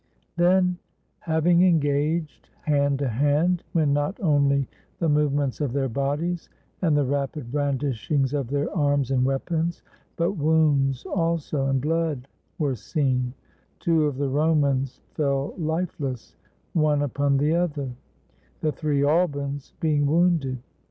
Then hav ing engaged hand to hand, when not only the move ments of their bodies and the rapid brandishings of their arms and weapons, but wounds also and blood were seen, two of the Romans fell lifeless, one upon the other, the three Albans being wounded.